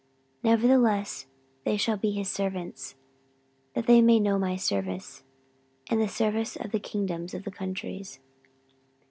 14:012:008 Nevertheless they shall be his servants; that they may know my service, and the service of the kingdoms of the countries.